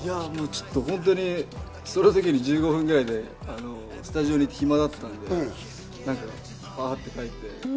本当に、その時に１５分ぐらいスタジオにいて暇だったんで、バっと書いて。